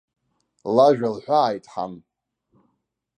Лажәа лҳәааит ҳан.